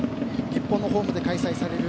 日本のホームで開催される